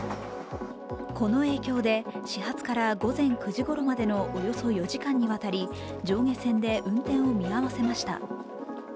この影響で始発から午前９時ごろまでのおよそ４時間にわたり、上下線で運転を見合わせました。